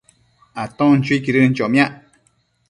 aton chuiquidën chomiac